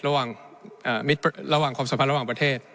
ระหว่างความสัมพันธ์ระหว่างประเทศ